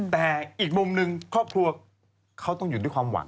แต่อีกมุมหนึ่งครอบครัวเขาต้องอยู่ด้วยความหวัง